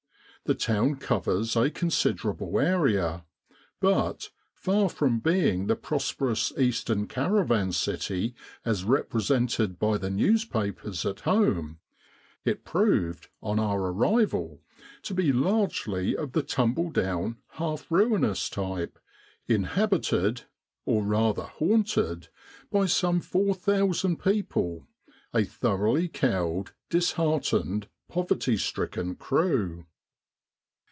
The town covers a considerable area; but, far from being the prosperous eastern caravan city as represented by the newspapers at home, it proved, on our arrival, to be largely of the tumble down, half ruinous type, inhabited, or rather haunted, by gome four thousand people a thoroughly cowed, disheartened, poverty sticken crew.